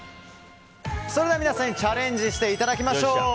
それでは皆さんにチャレンジしていただきましょう。